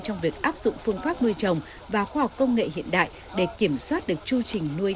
trong việc áp dụng phương pháp nuôi trồng và khoa học công nghệ hiện đại để kiểm soát được chu trình nuôi